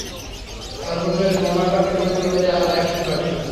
সর্বশেষ বোমাটা বিস্ফোরিত হতে আর এক মিনিট বাকি।